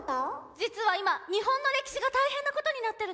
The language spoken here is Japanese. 実は今日本の歴史が大変なことになってるの。